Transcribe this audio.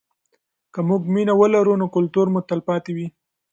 که موږ مینه ولرو نو کلتور مو تلپاتې وي.